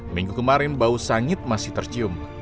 minggu kemarin bau sangit masih tercium